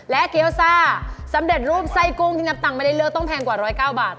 เกี้ยวซ่าสำเร็จรูปไส้กุ้งที่นับตังค์ไม่ได้เลือกต้องแพงกว่า๑๐๙บาท